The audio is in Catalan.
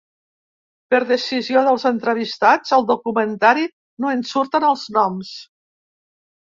Per decisió dels entrevistats, al documentari no en surten els noms.